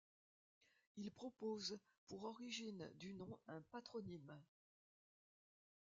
Il propose pour origine du nom un patronyme.